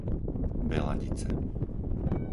Beladice